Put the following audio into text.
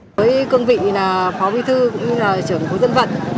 với cương vị phó vi thư cũng như là trưởng phố dân vận